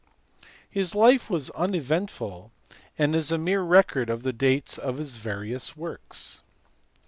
His life was uneventful and is a mere record of the dates of his various works.